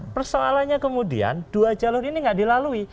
persoalannya kemudian dua jalur ini tidak dilalui